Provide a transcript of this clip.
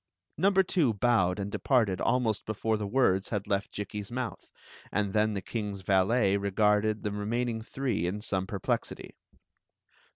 114 Queen Zixi af Ix; or, the Number two bowed and departed almost before the words had left Jikki's mouth; and then the kings valet regarded the remaining three in r ime perplexity.